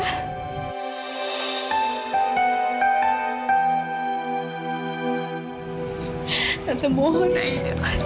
nanggep tante sebagai pengganti almarhumha ibu aida